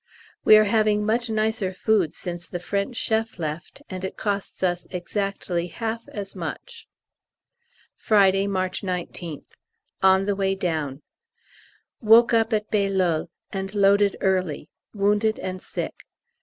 We are having much nicer food since the French chef left, and it costs us exactly half as much. Friday, March 19th. On the way down. Woke up at Bailleul, and loaded early wounded and sick.